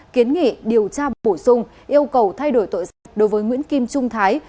kiến nghị điều tra bổ sung yêu cầu thay đổi tội danh đối với nguyễn kim trung thái